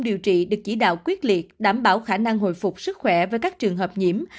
điều trị được chỉ đạo quyết liệt đảm bảo khả năng hồi phục sức khỏe với các trường hợp nhiễm